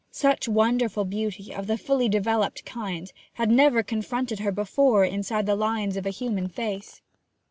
Such wonderful beauty, of the fully developed kind, had never confronted her before inside the lines of a human face.